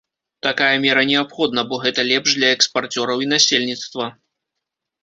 Такая мера неабходна, бо гэта лепш для экспарцёраў і насельніцтва.